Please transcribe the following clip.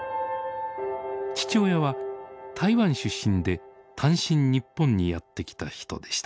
父親は台湾出身で単身日本にやって来た人でした。